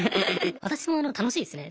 私も楽しいですね。